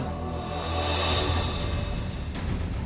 tapi benar apa kata ibu retno